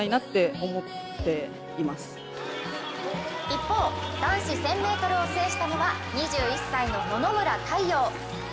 一方、男子１０００ｍを制したのは２１歳の野々村太陽。